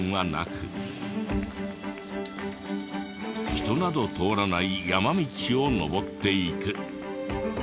人など通らない山道を登っていく。